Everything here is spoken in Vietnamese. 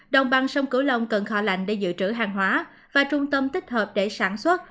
đồng bằng sông cửu long cần kho lạnh để dự trữ hàng hóa và trung tâm tích hợp để sản xuất